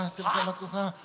マツコさんはあ！？